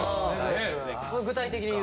具体的に言うと？